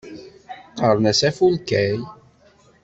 Qqaren-as Afulkay.